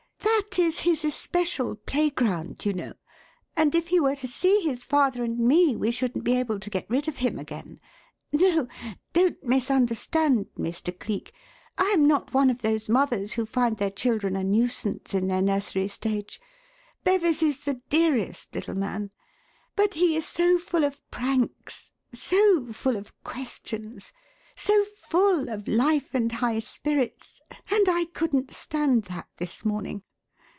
That is his especial playground, you know, and if he were to see his father and me we shouldn't be able to get rid of him again. No! Don't misunderstand, Mr. Cleek. I am not one of those mothers who find their children a nuisance in their nursery stage. Bevis is the dearest little man! But he is so full of pranks, so full of questions, so full of life and high spirits and I couldn't stand that this morning.